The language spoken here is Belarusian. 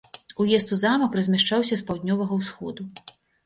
Уезд у замак размяшчаўся з паўднёвага ўсходу.